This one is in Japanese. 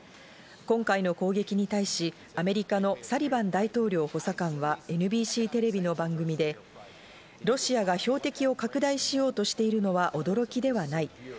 今回の攻撃に対し、アメリカのサリバン大統領補佐官はＮＢＣテレビの番組でロシアが標的を拡大しようとしているのは驚きではない。